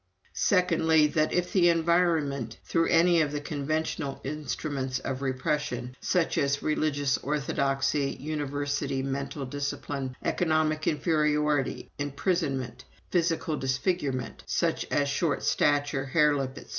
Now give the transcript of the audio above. "Secondly, that if the environment through any of the conventional instruments of repression, such as religious orthodoxy, university mental discipline, economic inferiority, imprisonment, physical disfigurement, such as short stature, hare lip, etc.